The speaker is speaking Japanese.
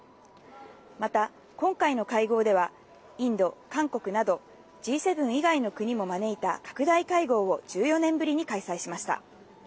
また、今回の会合ではインド、韓国など、Ｇ７以外の国も招いた拡大会合を１４年ぶりに開催しました。